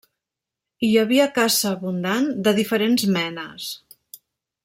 Hi havia caça abundant, de diferents menes.